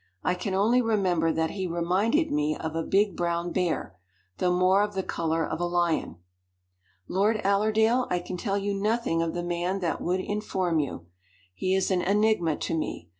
I can only remember that he reminded me of a big brown bear, though more of the color of a lion." "Lord Allerdale, I can tell you nothing of the man that would inform you. He is an enigma to me.